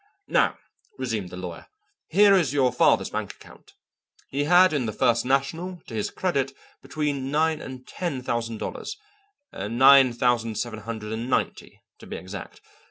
"Now," resumed the lawyer, "here is your father's bank account. He had in the First National to his credit between nine and ten thousand dollars; nine thousand seven hundred and ninety, to be exact.